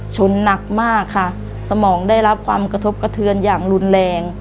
หนักมากค่ะสมองได้รับความกระทบกระเทือนอย่างรุนแรง